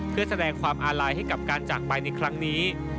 เพื่อแสดงความอาลัยให้กับการจากไปในครั้งนี้